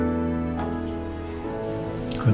agar mereka bisa